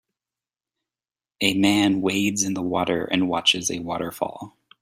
A man wades in the water and watches a waterfall